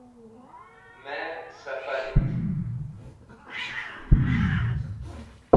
Me sẽfarit.